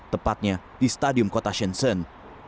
tepatnya di stadion kota shenzhen